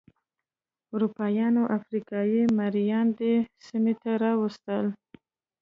اروپایانو افریقايي مریان دې سیمې ته راوستل.